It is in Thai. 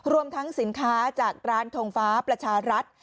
รวมทั้งสินค้าจากร้านทงฟ้าประชารัฐ